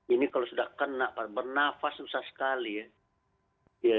ini kalau sudah kena bernafas susah sekali ya